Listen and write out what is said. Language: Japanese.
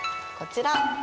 こちら。